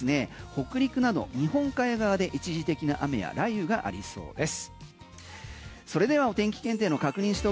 北陸など日本海側で一時的な雨や雷雨がありそうです。